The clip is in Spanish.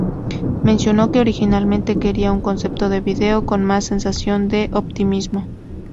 Mencionó que originalmente quería un concepto de video "con más sensación de optimismo".